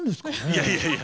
いやいやいや。